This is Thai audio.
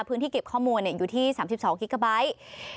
พื้นที่เก็บข้อมูลอยู่ที่๓๒กิกาไบท์